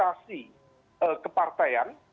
karena pilihan pdip kemudian bergeser pada kepartian